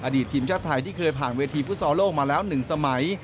อดีตทีมชาติไทยที่เคยผ่านเวทีฟุตซอโลมาแล้วหนึ่งสมัย